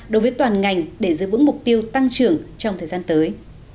đối với toàn ngành để giữ vững mục tiêu tăng trưởng trong thời gian tới